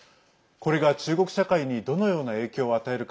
これが中国社会にどのような影響を与えるか。